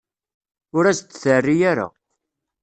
Ur as-d-terri ara.